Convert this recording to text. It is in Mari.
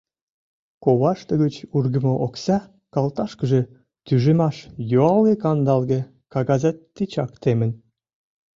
Коваште гыч ургымо окса калташкыже тӱжемаш юалге-кандалге кагазат тичак темын.